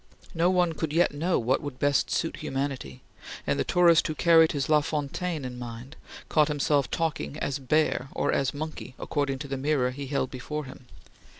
No one could yet know what would best suit humanity, and the tourist who carried his La Fontaine in mind, caught himself talking as bear or as monkey according to the mirror he held before him.